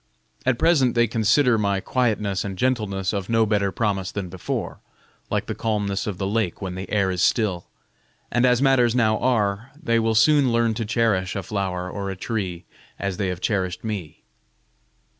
At present they consider my quietness and gentleness of no better promise than before, like the calmness of the lake when the air is still; and, as matters now are, they will soon learn to cherish a flower or a tree as they have cherished me.